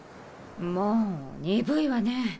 もう鈍いわね。